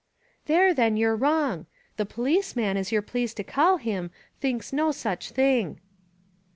"There then you're wrong; the policeman, as you're pleased to call him, thinks no such thing."